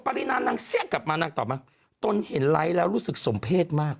ปรินานางเซียกกลับมาต่อมาต้นเห็นไร้แล้วรู้สึกสมเพศมาก